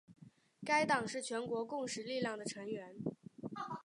该党是全国共识力量的成员。